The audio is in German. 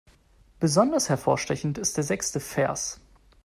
Besonders hervorstechend ist der sechste Vers.